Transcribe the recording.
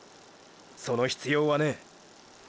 その必要はねェ。